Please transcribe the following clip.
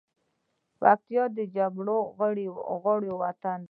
پکتیا د جګو غرو وطن ده .